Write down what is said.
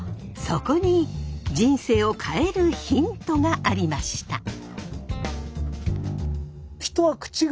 そこに人生を変えるヒントがありました。